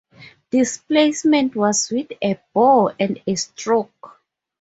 Displacement was with a bore and a stroke.